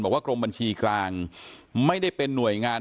กรมบัญชีกลางไม่ได้เป็นหน่วยงาน